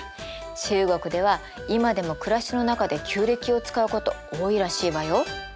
中国では今でも暮らしの中で旧暦を使うこと多いらしいわよ。